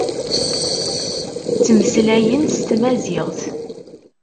Ttmeslayen s tmaziɣt.